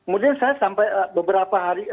kemudian saya sampai beberapa hari